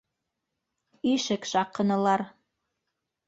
Ишек шаҡынылар.